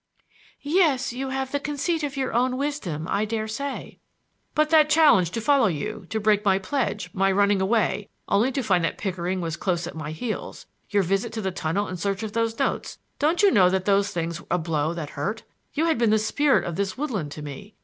"Yes; you have the conceit of your own wisdom, I dare say." "But that challenge to follow you, to break my pledge; my running away, only to find that Pickering was close at my heels; your visit to the tunnel in search of those notes,—don't you know that those things were a blow that hurt? You had been the spirit of this woodland to me.